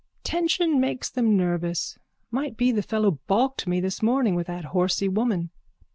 Tension makes them nervous. Might be the fellow balked me this morning with that horsey woman.